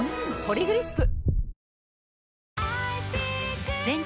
「ポリグリップ」